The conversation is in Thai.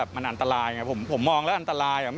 มันอันตรายไงผมมองแล้วอันตราย